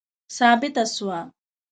ثابته سوه.